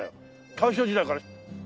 大正時代から。